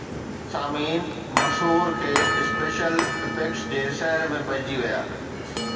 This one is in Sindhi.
سامعين مسحور کن اسپيشل ايفڪٽس جي سحر ۾ پئجي ويا